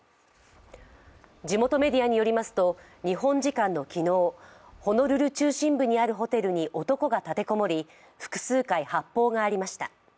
地元メディアによりますと日本時間の昨日、ホノルル中心部にあるホテルに男が立て籠もり、複数回、発砲がありました。